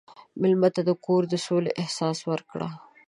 مېلمه ته د کور د سولې احساس ورکړه.